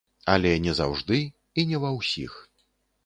Але не заўжды і не ва ўсіх.